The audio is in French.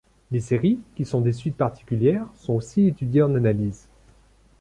Les séries, qui sont des suites particulières, sont aussi étudiées en analyse.